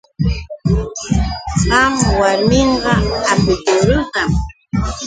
Wak warmiqa apikurusam.